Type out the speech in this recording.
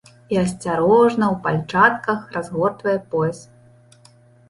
І асцярожна, у пальчатках, разгортвае пояс.